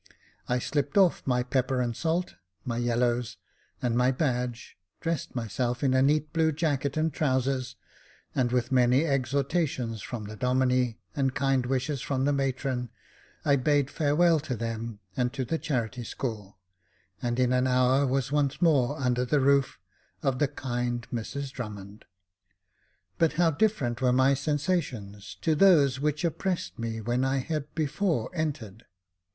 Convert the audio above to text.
I slipped off my pepper and salt, my yellows and my badge, dressed myself in a neat bluejacket and trousers. Jacob Faithful 47 and, with many exhortations from the Domine, and kind wishes from the matron, I bade farewell to them and to the charity school, and in an hour was once more under the roof of the kind Mrs Drummond. But how different were my sensations to those which oppressed me when I had before entered